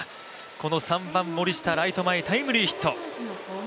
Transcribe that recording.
この３番・森下ライト前、タイムリーヒット。